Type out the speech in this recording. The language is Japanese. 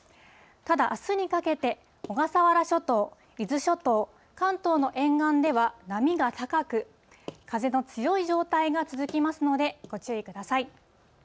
ただ、あすにかけて小笠原諸島、伊豆諸島、関東の沿岸では、波が高く、風の強い状態が続きますので、ご注意ください。